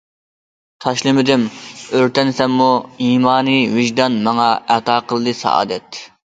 تاشلىمىدىم ئۆرتەنسەممۇ ئىماننى، ۋىجدان ماڭا ئاتا قىلدى سائادەت.